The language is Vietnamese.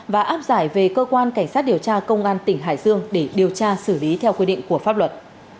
và áp giải về cơ quan cảnh sát điều tra công an tỉnh hải dương để điều tra xử lý theo quy định của pháp luật